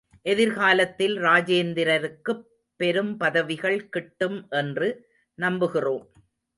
எதிர்காலத்தில் இராஜேந்திரருக்குப் பெரும் பதவிகள் கிட்டும் என்று நம்புகிறோம்.